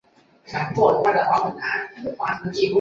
仁寿三年。